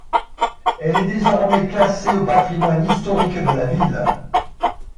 Elle est désormais classée au patrimoine historique de la ville.